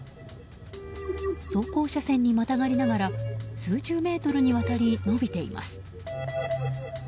走行車線にまたがりながら数十メートルにわたり延びています。